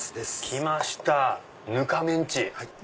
きましたぬかメンチ。